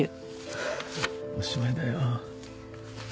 はあおしまいだよ。